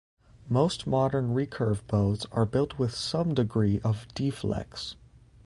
Most modern recurve bows are built with some degree of deflex.